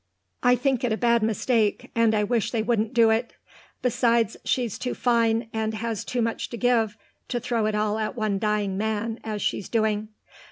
I think it a bad mistake, and I wish they wouldn't do it. Besides, she's too fine, and has too much to give, to throw it all at one dying man, as she's doing.